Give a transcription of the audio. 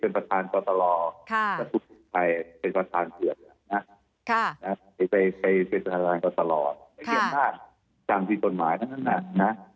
ไปสาธารณ์ก่อนตลอดไม่เขียนมากตามที่ต้นหมายทั้งน่ะ